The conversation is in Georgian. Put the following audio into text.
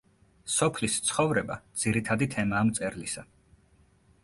სოფლის ცხოვრება ძირითადი თემაა მწერლისა.